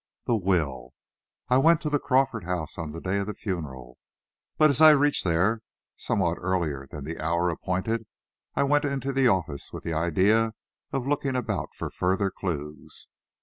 THE WILL I went to the Crawford house on the day of the funeral; but as I reached there somewhat earlier than the hour appointed, I went into the office with the idea of looking about for further clues.